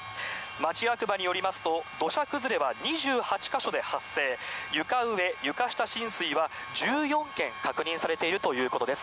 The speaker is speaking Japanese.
町役場によりますと、土砂崩れは２８か所で発生、床上・床下浸水は１４件確認されているということです。